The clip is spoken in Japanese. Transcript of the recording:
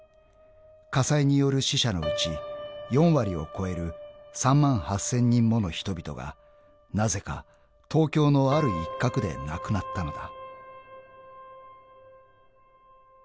［火災による死者のうち４割を超える３万８，０００人もの人々がなぜか東京のある一角で亡くなったのだ］